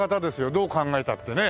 どう考えたってね。